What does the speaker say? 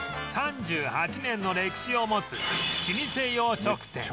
３８年の歴史を持つ老舗洋食店